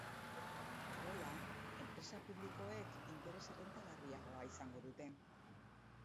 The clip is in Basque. Horrela, enpresa publikoek interes errentagarriagoa izango dute.